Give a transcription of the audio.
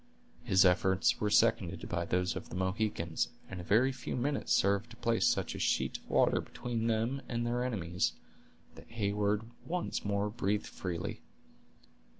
His efforts were seconded by those of the Mohicans and a very few minutes served to place such a sheet of water between them and their enemies, that Heyward once more breathed freely.